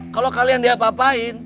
kalau kalian diapa apain